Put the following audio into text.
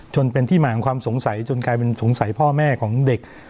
จนเป็นที่มาของความสงสัยจนกลายเป็นสงสัยพ่อแม่ของเด็ก